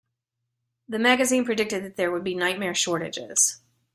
The magazine predicted that there would be nightmare shortages.